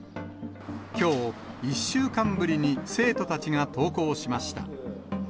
きょう、１週間ぶりに生徒たちが登校しました。